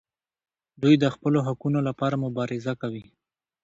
دوی د خپلو حقونو لپاره مبارزه کوي.